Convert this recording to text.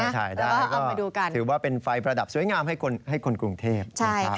ถ่ายได้ก็ถือว่าเป็นไฟประดับสวยงามให้คนกรุงเทพฯนะครับ